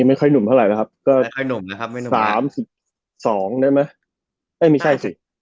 ไม่ค่อยหนุ่มเท่าไหร่นะครับ๓๒ได้มั้ยไม่ใช่สิ